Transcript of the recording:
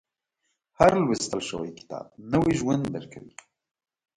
• هر لوستل شوی کتاب، نوی ژوند درکوي.